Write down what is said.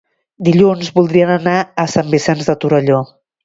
Dilluns voldrien anar a Sant Vicenç de Torelló.